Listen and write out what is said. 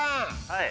はい。